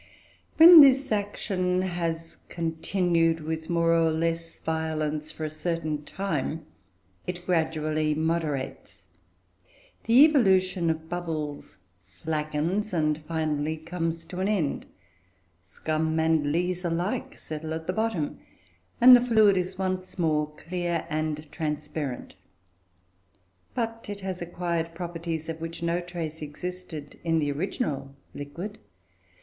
When this action has continued, with more or less violence, for a certain time, it gradually moderates. The evolution of bubbles slackens, and finally comes to an end; scum and lees alike settle at the bottom, and the fluid is once more clear and transparent. But it has acquired properties of which no trace existed in the original liquid.